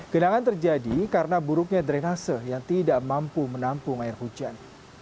genangan terjadi karena buruknya drenase yang tidak mampu menampung air hujan